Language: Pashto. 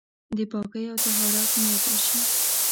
د پاکۍ او طهارت نيت وشي.